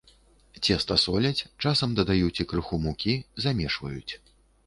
Цеста соляць, часам дадаюць і крыху мукі, замешваюць.